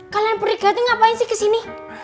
kalian berikutnya ngapain sih di sini